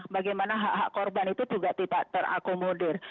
bagaimana hak hak korban itu juga tidak terakomodir